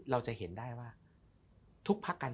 เราจะเห็นได้ว่าทุกพักกัน